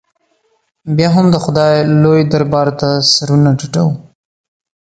بیا هم د خدای لوی دربار ته سرونه ټیټو.